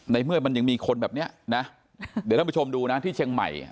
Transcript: เมื่อมันยังมีคนแบบนี้นะเดี๋ยวท่านผู้ชมดูนะที่เชียงใหม่